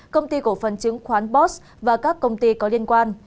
công ty cổ phần trường khoán boss và các công ty có liên quan